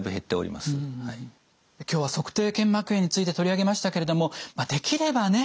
今日は足底腱膜炎について取り上げましたけれどもできればね